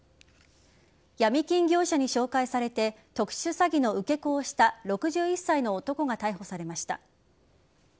ヤミ金業者に紹介されて特殊詐欺の受け子をした６１歳の男が逮捕されました。